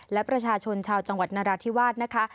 และประชาชนชาวจังหวัดนราธิวาสนะคะ